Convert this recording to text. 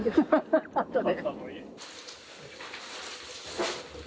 あとで。